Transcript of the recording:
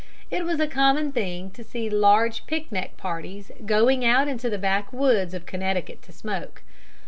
It was a common thing to see large picnic parties going out into the backwoods of Connecticut to smoke.